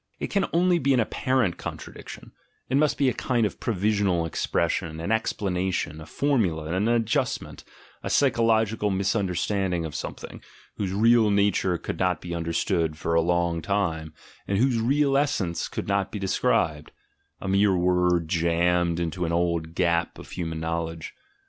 It can only be an apparent contradiction; it must be a kind of provisional expression, an explanation, a formula, an adjustment, a psychological misunderstanding of something, whose real nature could not be understood for a long time, and whose real essence could not be described; a mere word jammed into an old gap of human knowledge.